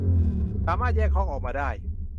สามารถแยกห้องออกมาได้